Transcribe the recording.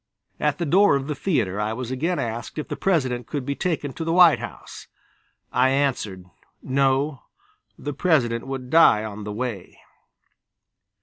At the door of the theatre, I was again asked if the President could be taken to the White House. I answered: "No, the President would die on the way."